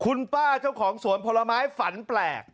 คุณป้าเจ้าของสวนผลไม้ฝันแปลก